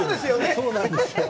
そうなんです。